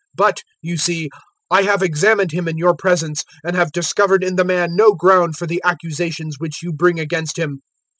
But, you see, I have examined him in your presence and have discovered in the man no ground for the accusations which you bring against him.